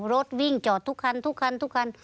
รถวิ่งจอดทุกคันทุกคันทุกคัน